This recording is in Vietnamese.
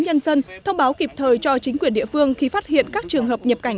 nhân dân thông báo kịp thời cho chính quyền địa phương khi phát hiện các trường hợp nhập cảnh